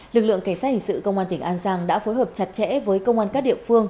lực lượng cảnh sát hình sự công an tỉnh an giang đã phối hợp chặt chẽ với công an các địa phương